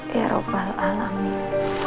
ya rabbal alamin